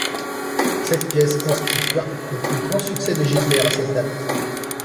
Cette pièce constitua le plus grand succès de Gilbert à cette date.